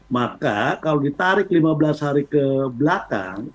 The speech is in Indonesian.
maka kalau ditarik lima belas hari ke belakang